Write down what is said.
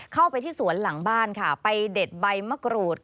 เข้าไปที่สวนหลังบ้านค่ะไปเด็ดใบมะกรูด